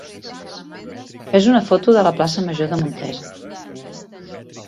és una foto de la plaça major de Montesa.